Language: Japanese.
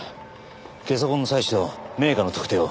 ゲソ痕の採取とメーカーの特定を。